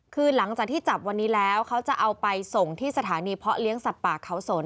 คือหลังจากที่จับวันนี้แล้วเขาจะเอาไปส่งที่สถานีเพาะเลี้ยงสัตว์ป่าเขาสน